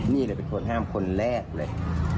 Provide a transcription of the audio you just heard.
นี่เลยเป็นคนห้ามคนแรกเลย